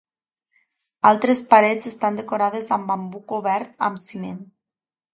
Altres parets estan decorades amb bambú cobert amb ciment.